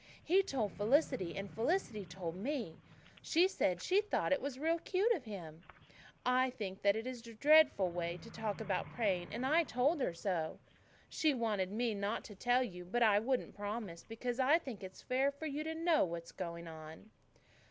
"He told Felicity and Felicity told me. She said she thought it was real cute of him. I think that is a dreadful way to talk about praying and I told her so. She wanted me to promise not to tell you, but I wouldn't promise, because I think it's fair for you to know what is going on."